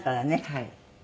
はい。